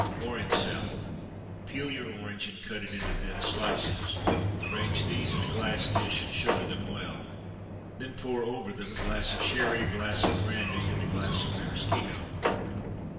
Orange Salad. Peel your orange, and cut it into thin slices. Arrange these in a glass dish, and sugar them well. Then pour over them a glass of sherry, a glass of brandy, and a glass of maraschino.